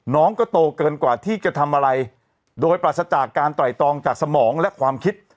น้องก็โตเกินกว่าที่จะทำอะไรโดยปราศจากการไตรตองจากสมองและความคิด